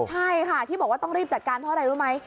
ใช่ค่ะที่บอกว่าต้องรีบจัดการเพราะอะไรรู้ไหม